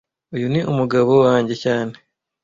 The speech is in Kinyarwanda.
Uyu ni umugabo wanjye cyane